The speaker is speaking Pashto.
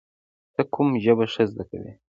ته کوم ژبه ښه زده کړې؟